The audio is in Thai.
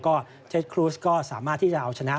ก็เท็จครูสก็สามารถที่จะเอาชนะ